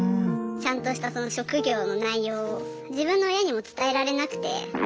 ちゃんとしたその職業の内容を自分の親にも伝えられなくて。